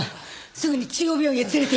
すぐに中央病院へ連れて行って。